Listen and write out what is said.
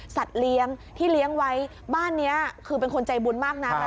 เลี้ยงที่เลี้ยงไว้บ้านนี้คือเป็นคนใจบุญมากนะ